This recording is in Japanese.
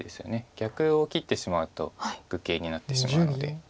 逆を切ってしまうと愚形になってしまうので。